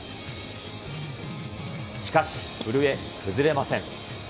しかし古江、崩れません。